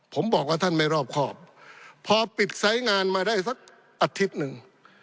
ผมบอกว่าท่านไม่รอบครอบพอปิดไซส์งานมาได้สักอาทิตย์หนึ่ง